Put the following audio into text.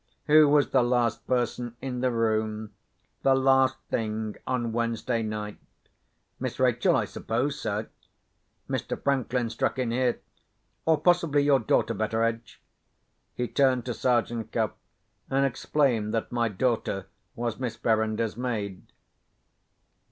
"Who was the last person in the room, the last thing on Wednesday night?" "Miss Rachel, I suppose, sir." Mr. Franklin struck in there, "Or possibly your daughter, Betteredge." He turned to Sergeant Cuff, and explained that my daughter was Miss Verinder's maid.